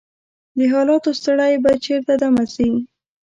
د حالاتو ستړی به چیرته دمه شي؟